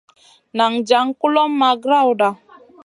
Nan jaŋ kulomʼma grawda.